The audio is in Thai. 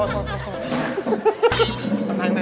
วันนี้มาเดทอยู่ที่ภาคกุ้งนะคะ